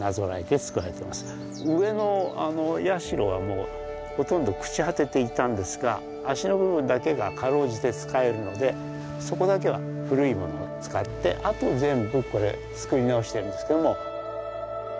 上の社はもうほとんど朽ち果てていたんですが脚の部分だけがかろうじて使えるのでそこだけは古いものを使ってあと全部これ造り直してるんですけども。